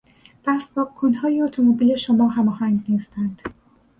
برف پاک کنهای اتومبیل شما هماهنگ نیستند.